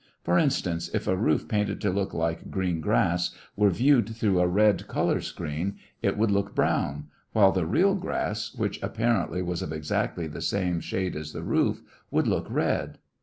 For instance, if a roof painted to look like green grass were viewed through a red color screen, it would look brown; while the real grass, which apparently was of exactly the same shade as the roof, would look red.